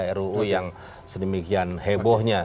ruu yang sedemikian hebohnya